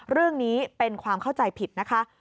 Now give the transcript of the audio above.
เรื่องนี้เป็นความเข้าใจผิดนะคะ